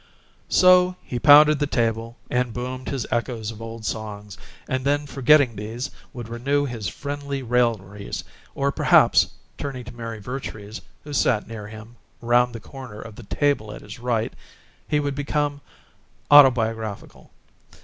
So he pounded the table and boomed his echoes of old songs, and then, forgetting these, would renew his friendly railleries, or perhaps, turning to Mary Vertrees, who sat near him, round the corner of the table at his right, he would become autobiographical.